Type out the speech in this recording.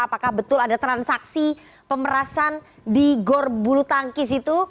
apakah betul ada transaksi pemerasan di gor bulutangkis itu